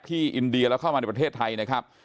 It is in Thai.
อินเดียแล้วเข้ามาในประเทศไทยนะครับ